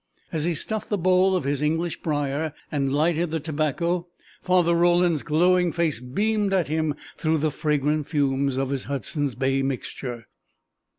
As he stuffed the bowl of his English briar, and lighted the tobacco, Father Roland's glowing face beamed at him through the fragrant fumes of his Hudson's Bay Mixture.